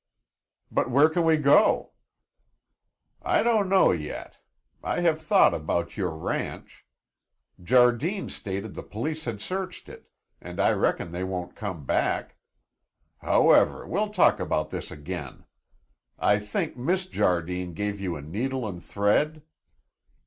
"But where can we go?" "I don't know yet; I have thought about your ranch. Jardine stated the police had searched it, and I reckon they won't come back. However, we'll talk about this again. I think Miss Jardine gave you a needle and thread?"